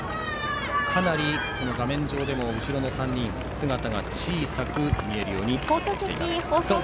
かなり画面上でも後ろに３人の姿が小さく見えるようになっています。